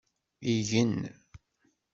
Igen.